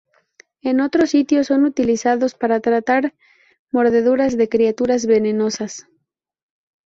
En otros sitios son utilizados para tratar mordeduras de criaturas venenosas.